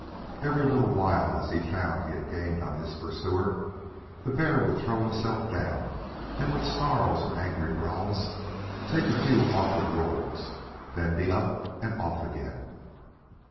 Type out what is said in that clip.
Every little while as he found he had gained on his pursuer the bear would throw himself down, and with snarls and angry growls, take a few awkward rolls; then be up and off again.